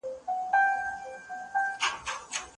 څنګه د بازار غوښتنه د تولیدي پلانونو بدلون رامنځته کوي؟